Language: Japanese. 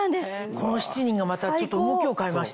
この７人がまたちょっと動きを変えました。